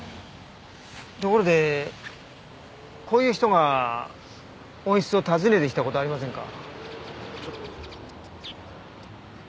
ところでこういう人が温室を訪ねてきた事ありませんか？